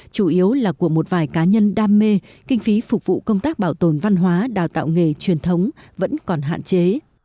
chủ yếu là của một vài cá nhân đam mê kinh phí phục vụ công tác bảo tồn văn hóa đào tạo nghề truyền thống vẫn còn hạn chế